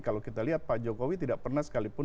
kalau kita lihat pak jokowi tidak pernah sekalipun